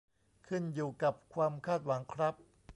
ขึ้นอยู่กับความคาดหวังครับ